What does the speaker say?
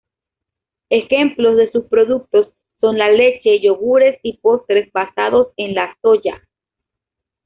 Ejemplos de sus productos son la leche, yogures y postres basados en la soja.